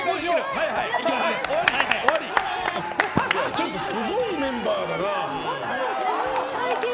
ちょっとすごいメンバーだな。